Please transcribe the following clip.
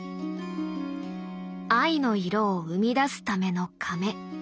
藍の色を生み出すためのかめ。